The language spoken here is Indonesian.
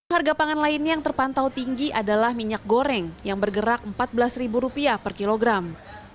harga pangan lain yang terpantau tinggi adalah minyak goreng yang bergerak empat belas ribu rupiah per kilogram